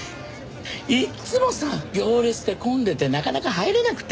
いつもさ行列で混んでてなかなか入れなくて。